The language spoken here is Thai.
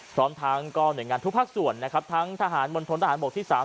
พร้อมทางกองเหนื่อยงานทุกภักษ์ส่วนทั้งทหารมลทนทหาร๓๑๓